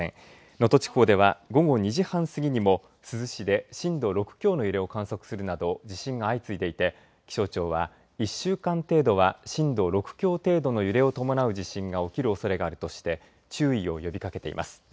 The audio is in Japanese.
能登地方では午後２時半過ぎにも珠洲市で震度６強の揺れを観測するなど地震が相次いでいて、気象庁は１週間程度は震度６強程度の揺れを伴う地震が起きるおそれがあるとして注意を呼びかけています。